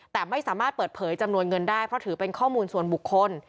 แต่ไม่สามารถเปิดเผยจำนวนเงินได้เพราะถือเป็นข้อมูลส่วนบุคคล